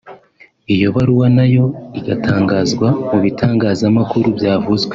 iyo baruwa nayo igatangazwa mu bitangazamakuru byavuzwe